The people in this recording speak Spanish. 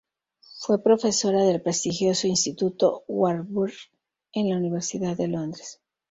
Fue profesora del prestigioso Instituto Warburg en la Universidad de Londres.